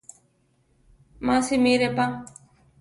Má simire pa.